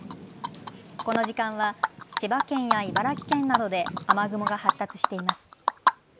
この時間は千葉県や茨城県などで雨雲が発達しています。